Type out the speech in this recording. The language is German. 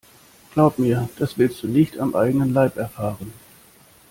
Glaub mir, das willst du nicht am eigenen Leib erfahren.